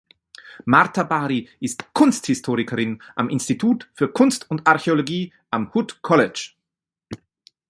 Martha Bari ist Kunsthistorikerin am Institut für Kunst und Archäologie am Hood College.